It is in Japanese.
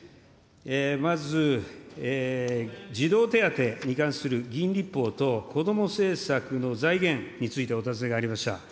まず、児童手当に関する議員立法とこども政策の財源についてお尋ねがありました。